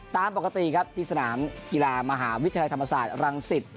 ตามปกติครับที่สนามกีฬามหาวิทยาลัยธรรมศาสตร์รังสิต